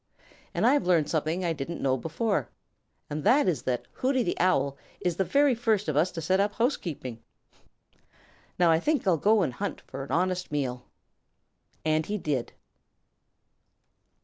And I've learned something I didn't know before, and that is that Hooty the Owl is the very first of us to set up housekeeping. Now I think I'll go hunt for an honest meal." And he did.